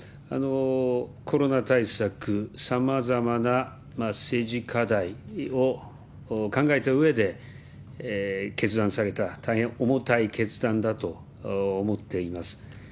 コロナ対策、さまざまな政治課題を考えたうえで決断された、大変重たい決断だと思っています。